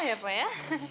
ya pak ya